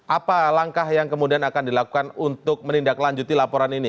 apa langkah yang kemudian akan dilakukan untuk menindaklanjuti laporan ini